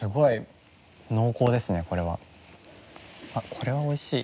これは美味しい。